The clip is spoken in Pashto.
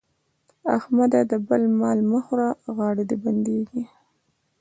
احمده! د بل مال مه خوره غاړه دې بندېږي.